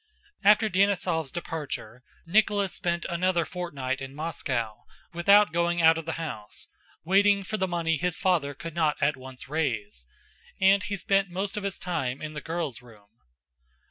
After Denísov's departure, Rostóv spent another fortnight in Moscow, without going out of the house, waiting for the money his father could not at once raise, and he spent most of his time in the girls' room.